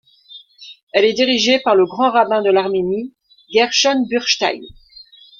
Elle est dirigée par le grand-rabbin de l'Arménie, Gershon Burstein.